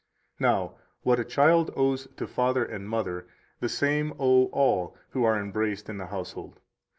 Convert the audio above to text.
143 Now, what a child owes to father and mother, the same owe all who are embraced in the household.